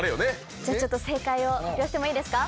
じゃあちょっと正解を発表してもいいですか。